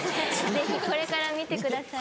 ぜひこれから見てください。